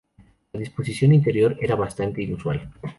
La disposición interior era bastante inusual.